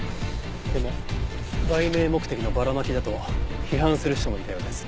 でも売名目的のばらまきだと批判する人もいたようです。